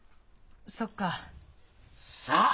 そっかぁ。